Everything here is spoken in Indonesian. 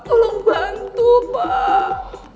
tolong bantu pak